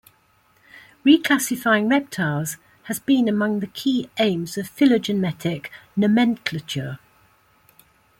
Reclassifying reptiles has been among the key aims of phylogenetic nomenclature.